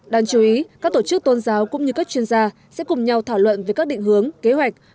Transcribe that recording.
đáng chú ý các tổ chức tôn giáo cũng như các chuyên gia sẽ cùng nhau thảo luận về các định hướng kế hoạch